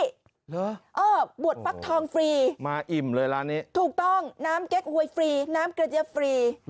หรืออ่อบวชฟักทองฟรีถูกต้องน้ำเก๊กหวยฟรีน้ำกระเจี๊ยบฟรี